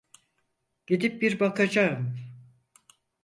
Gidip bir bakacağım.